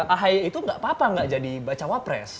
ahaya itu gak apa apa gak jadi baca wapres